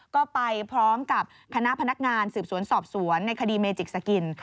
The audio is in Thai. ก็ไปพร้อมกับคณะพนักงานสืบสวนสอบสวนในคดีเมจิกสกิน